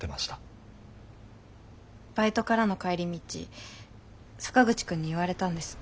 バイトからの帰り道坂口くんに言われたんです。